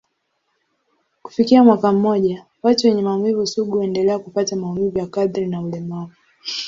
Kufikia mwaka mmoja, watu wenye maumivu sugu huendelea kupata maumivu ya kadri na ulemavu.